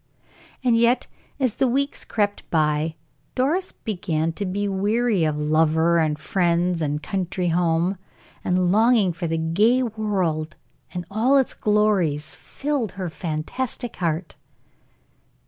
And yet, as the weeks crept by, Doris began to be weary of lover and friends and country home, and her longing for the gay world and all its glories filled her fantastic heart.